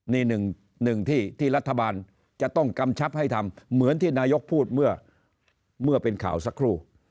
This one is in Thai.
นี่หนึ่งที่ที่รัฐบาลจะต้องกำชับให้ทำเหมือนที่นายกพูดเมื่อเป็นข่าวสักครู่